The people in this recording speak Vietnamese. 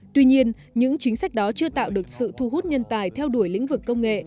tuy nhiên những chính sách đó chưa tạo được sự thu hút nhân tài theo đuổi lĩnh vực công nghệ